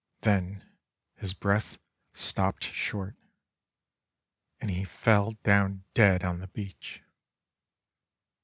Then his breath stopped short, and he fell down dead on the beach!